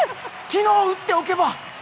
昨日打っておけば！